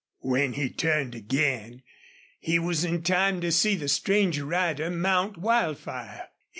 When he turned again he was in time to see the strange rider mount Wildfire.